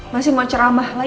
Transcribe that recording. masih mau ceramah lagi